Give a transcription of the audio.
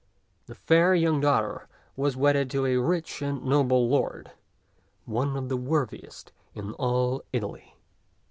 The fair young daughter was ti}t Cttt^'B t(xk 159 wedded to a rich and noble lord, one of the worthiest in all Italy.